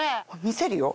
見せるよ